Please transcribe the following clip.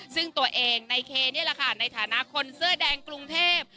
ซึ่งตัวเองในเคนี่แหละค่ะในฐานะคนเสื้อแดงกรุงเทพ